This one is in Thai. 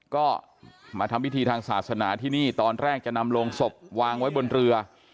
ก็มาทำพิธีทางศาสนาที่นี่ตอนแรกจะนำโรงศพวางไว้บนเรือ